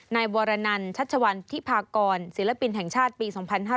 นายวรนันชัชวัลธิพากรศิลปินแห่งชาติปี๒๕๕๙